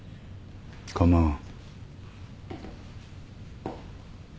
構わん。